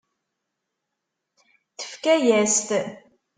Tefka-yas-t.